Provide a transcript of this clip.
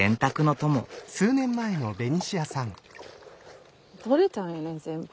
取れたやん全部。